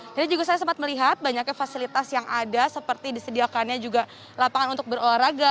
jadi juga saya sempat melihat banyaknya fasilitas yang ada seperti disediakannya juga lapangan untuk berolahraga